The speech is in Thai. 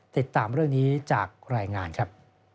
ติดตามเรื่องนี้จากรายงานครับ